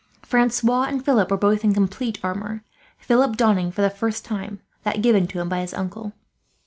Francois and Philip were both in complete armour; Philip donning, for the first time, that given to him by his uncle.